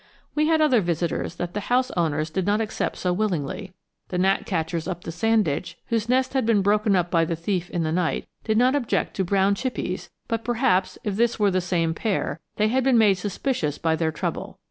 We had other visitors that the house owners did not accept so willingly. The gnatcatchers up the sand ditch whose nest had been broken up by the thief in the night did not object to brown chippies, but perhaps, if this were the same pair, they had been made suspicious by their trouble.